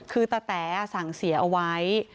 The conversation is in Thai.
คือตะแต๋สั่งเสียเอาไว้